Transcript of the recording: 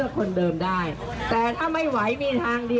รัฐบาลนี้ใช้วิธีปล่อยให้จนมา๔ปีปีที่๕ค่อยมาแจกเงิน